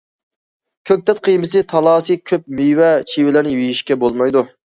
كۆكتات قىيمىسى، تالاسى كۆپ مېۋە- چىۋىلەرنى يېيىشكە بولمايدۇ.